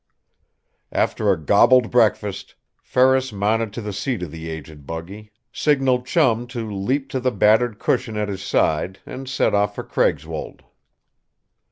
After a gobbled breakfast, Ferris mounted to the seat of the aged buggy, signaled Chum to leap to the battered cushion at his side and set off for Craigswold.